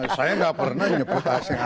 saya gak pernah nyebut aseng aseng